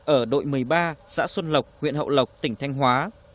ở đội một mươi ba xã xuân lộc huyện hậu lộc tỉnh thanh hóa